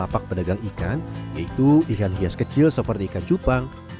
dan empat lapak pedagang ikan yaitu ikan hias kecil seperti ikan cupang